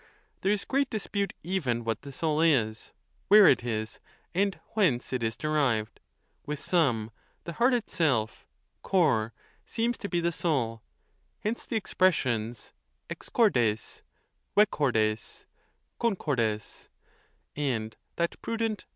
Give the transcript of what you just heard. There is great dispute even what the soul is, where it is, and whence it is derived: with some, the heart itself (cor) seems to be the soul, hence the expressions, excordes, vecordes, con cordes ; and that prudent.